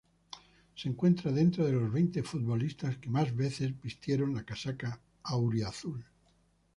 Se encuentra dentro de los veinte futbolistas que más veces vistieron la casaca auriazul.